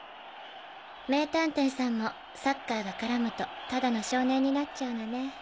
名探偵さんもサッカーが絡むとただの少年になっちゃうのね。